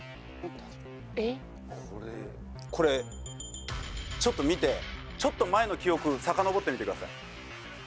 これちょっと見てちょっと前の記憶遡ってみてください。